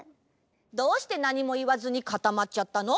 どうしてなにもいわずにかたまっちゃったの？